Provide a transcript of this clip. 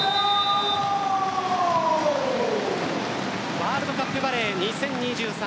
ワールドカップバレー２０２３